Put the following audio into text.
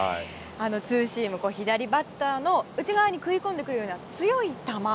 ツーシーム左バッターの内側に食い込んでくるような強い球。